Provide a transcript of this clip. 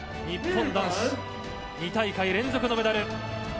日本男子２大会連続のメダル。